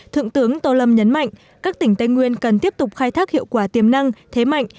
thượng tướng tô lâm nhấn mạnh các tỉnh tây nguyên cần tiếp tục khai thác hiệu quả tiềm năng thế mạnh